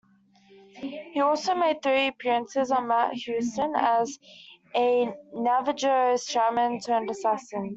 He also made three appearances on "Matt Houston" as a Navajo shaman turned assassin.